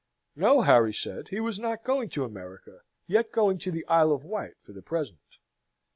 No, Harry said: he was not going to America yet going to the Isle of Wight for the present.